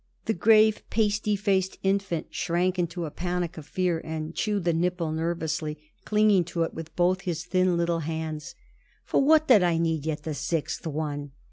The grave, pasty faced infant shrank into a panic of fear, and chewed the nipple nervously, clinging to it with both his thin little hands. "For what did I need yet the sixth one?"